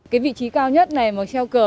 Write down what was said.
cái vị trí cao nhất này mà treo cờ